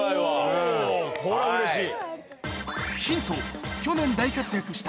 おぉこれはうれしい。